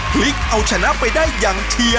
เหม็นฉี่หมาโอ้แย่กันเลยอ่ะ